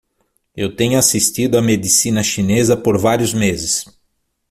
Eu tenho assistido a medicina chinesa por vários meses.